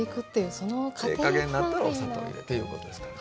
ええ加減になったらお砂糖入れていうことですから。